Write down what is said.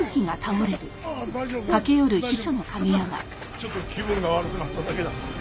ちょっと気分が悪くなっただけだ。